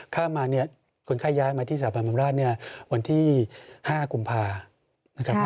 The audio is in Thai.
ข้ามมาคนไข้ย้ายมาที่สหรัฐบำราชวันที่๕กุมภาคม